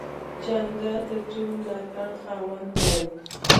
جانداد د ټینګ ملاتړ خاوند دی.